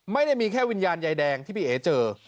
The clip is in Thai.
ไม่ได้มีแค่วิญญาณยายแดงที่พี่เอ๋เจอ